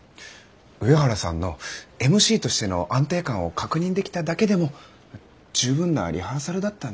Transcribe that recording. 上原さんのＭＣとしての安定感を確認できただけでも十分なリハーサルだったんじゃないですか。